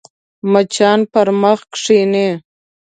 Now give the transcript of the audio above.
مچان پر مخ کښېني